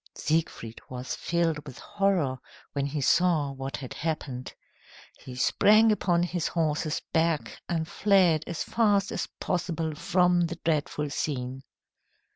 Siegfried was filled with horror when he saw what had happened. He sprang upon his horse's back and fled as fast as possible from the dreadful scene.